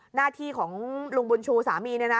หน้าที่ของลุงบุญชูสามีเนี่ยนะ